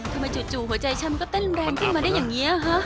ทำไมจู่ถ่ายหัวใจฉ่ำก็แต้นแรงขึ้นมาได้อย่างนี้